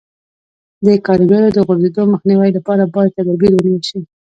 د کاریګرو د غورځېدو مخنیوي لپاره باید تدابیر ونیول شي.